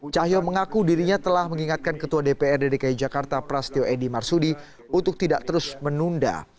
cahyokumo mengaku dirinya telah mengingatkan ketua dprd dki jakarta prasetyo edy marsudi untuk tidak terus menunda